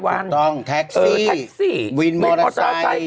มีมอเตอร์ไซส์วินมอเตอร์ไซส์